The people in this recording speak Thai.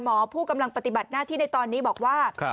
ผู้กำลังปฏิบัติหน้าที่ในตอนนี้บอกว่า